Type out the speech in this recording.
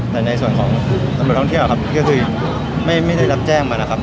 แต่ในส่วนของตำรวจท่องเที่ยวครับก็คือไม่ได้รับแจ้งมานะครับ